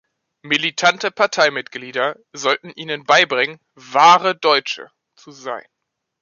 Militante Parteimitglieder sollten ihnen beibringen „wahre Deutsche“ zu sein.